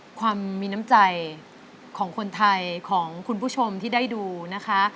ความมีน้ำใจของคนไทยของคุณผู้ชมที่ได้ดูนะคะ